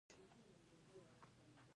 زغال د افغانستان د اقلیم ځانګړتیا ده.